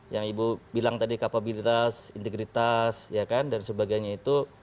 yang ibu bilang tadi kapabilitas integritas dan sebagainya itu